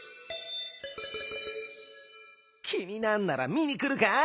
きになんならみにくるか？